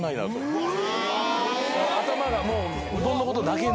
頭がもううどんのことだけになってて。